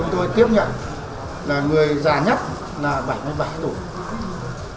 chúng tôi tiếp nhận là người già nhất là bảy mươi bảy tuổi